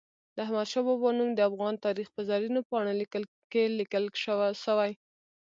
د احمد شاه بابا نوم د افغان تاریخ په زرینو پاڼو کې لیکل سوی.